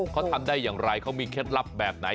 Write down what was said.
เขาทำได้อย่างไรเขามีเคล็ดลับแบบไหน